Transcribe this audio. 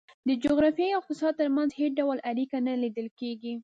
د جغرافیې او اقتصاد ترمنځ هېڅ ډول اړیکه نه لیدل کېږي.